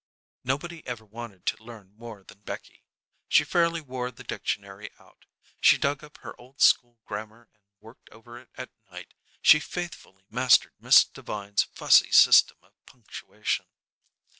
Nobody ever wanted to learn more than Becky. She fairly wore the dictionary out. She dug up her old school grammar and worked over it at night. She faithfully mastered Miss Devine's fussy system of punctuation.